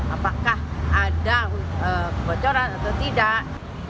apakah ada kebocoran atau tidak